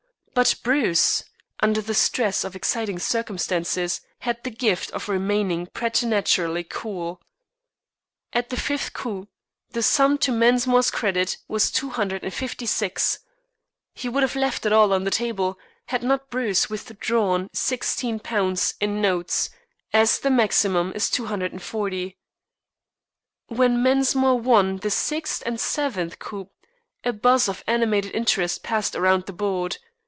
But Bruce, under the stress of exciting circumstances, had the gift of remaining preternaturally cool. At the fifth coup the sum to Mensmore's credit was £256. He would have left it all on the table had not Bruce withdrawn £16 in notes, as the maximum is £240. When Mensmore won the sixth and seventh coups a buzz of animated interest passed around the board.